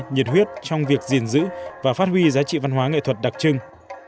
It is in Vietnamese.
nhiệt huyết trong việc gìn giữ và phát huy giá trị văn hóa nghệ thuật đặc trưng